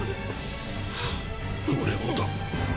俺もだ。